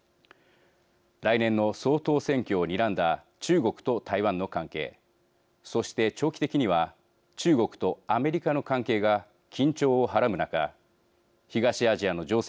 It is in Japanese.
来年の総統選挙をにらんだ中国と台湾の関係そして長期的には中国とアメリカの関係が緊張をはらむ中東アジアの情勢は予断を許さない状況が続きそうです。